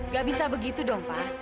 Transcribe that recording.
gak bisa begitu dong pak